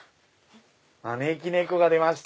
招き猫が出ました。